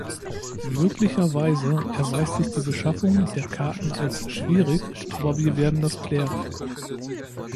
Möglicherweise erweist sich die Beschaffung der Karten als schwierig, aber wir werden das klären.